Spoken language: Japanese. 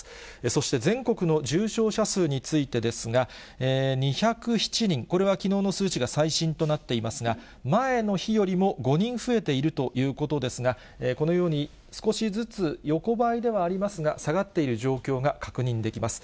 そして、全国の重症者数についてですが、２０７人、これはきのうの数値が最新となっていますが、前の日よりも５人増えているということですが、このように少しずつ横ばいではありますが、下がっている状況が確認できます。